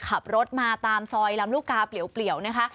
ขับรถตามซอยลำลูกกาเปรียว